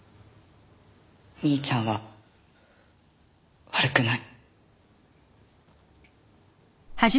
兄ちゃんは悪くない。